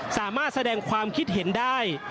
สามารถแสดงความคิดเห็นได้